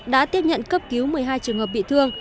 đã tiếp nhận cấp cứu một mươi hai trường hợp bị thương